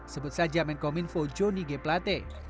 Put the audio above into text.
sebut saja menko minfo joni g plate